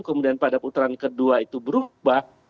kemudian pada putaran kedua itu berubah